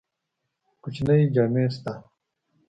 کوچنی جامی شته؟